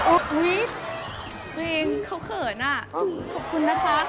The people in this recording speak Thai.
อุ๊ยเขาเขินขอบคุณนะคะ